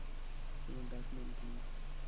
তোমার ডাকনাম কী?